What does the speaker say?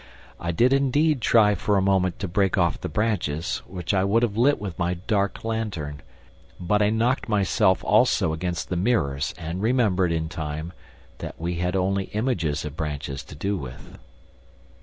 I did indeed try for a moment to break off the branches, which I would have lit with my dark lantern, but I knocked myself also against the mirrors and remembered, in time, that we had only images of branches to do with.